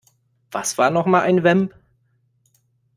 Was war nochmal ein Vamp?